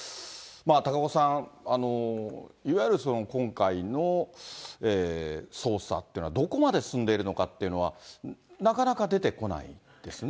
高岡さん、いわゆるその今回の捜査っていうのは、どこまで進んでるのかっていうのは、なかなか出てこないですね。